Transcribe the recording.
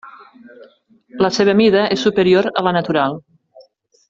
La seva mida és superior a la natural.